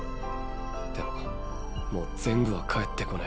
でももう全部は返ってこねぇ。